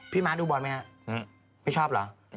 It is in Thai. ม้าดูบอลไหมฮะไม่ชอบเหรอ